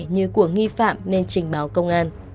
như của nghi phạm nên trình báo công an